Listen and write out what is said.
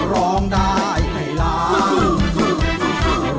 ร้องได้ให้ล้าน